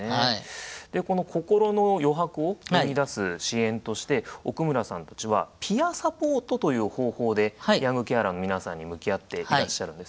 で心の余白を生み出す支援として奥村さんたちはピアサポートという方法でヤングケアラーの皆さんに向き合っていらっしゃるんですよね。